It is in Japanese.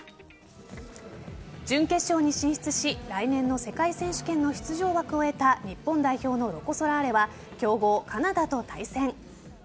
準決勝に進出し来年の世界選手権の出場枠を得た日本代表のロコ・ソラーレは強豪・カナダと対戦。